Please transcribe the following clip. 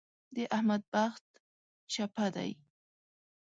د احمد بخت چپه دی.